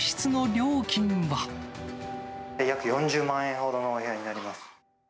約４０万円ほどのお部屋にな